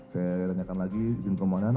saya tanyakan lagi izin ke mandan